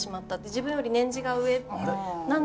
自分より年次が上なのに。